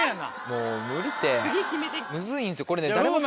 もう無理てムズいんですよ。